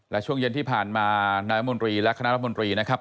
และช่วงเย็นที่ผ่านมานายมนตรีและคณะรัฐมนตรีนะครับ